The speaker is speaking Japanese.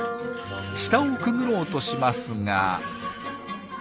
下をくぐろうとしますが。